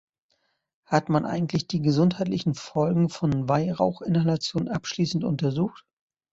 Hat man eigentlich die gesundheitlichen Folgen von Weihrauchinhalation abschließend untersucht?